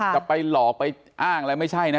จะไปหลอกไปอ้างอะไรไม่ใช่นะ